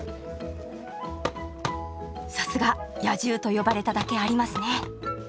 さすが「野獣」と呼ばれただけありますね！